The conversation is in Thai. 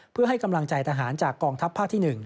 เพื่อให้กำลังใจทหารจากกองทัพภาคที่๑